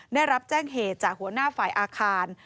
ได้รับแจ้งเหตุจากหัวหน้าฝ่ายอาคาร